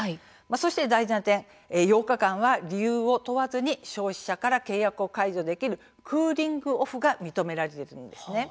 そして大事な点、８日間は理由を問わずに消費者から契約を解除できるクーリング・オフが認められているんです。